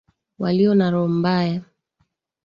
Walio na roho mbaya.